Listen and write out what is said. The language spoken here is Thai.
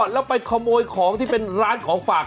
แล้วไปขโมยของที่เป็นร้านของฝาก